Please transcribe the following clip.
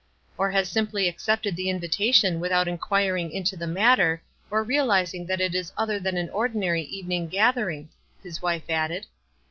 " Or has simply accepted the invitation with out inquiring into the matter, or realizing that it is other than an ordinary evening gathering," his wife added.